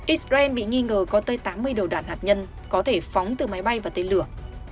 israel bị nghi ngờ có tới tám mươi đầu đạn hạt nhân có thể phóng từ máy bay và tên lửa